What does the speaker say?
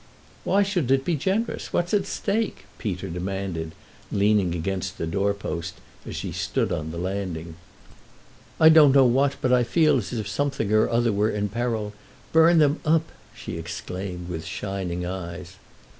"Why should it be generous? What's at stake?" Peter demanded, leaning against the doorpost as she stood on the landing. "I don't know what, but I feel as if something or other were in peril. Burn them up!" she exclaimed with shining eyes.